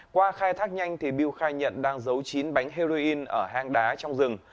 qua khai thác nhanh bưu khai nhận đang giấu chín bánh heroin ở hang đá trong rừng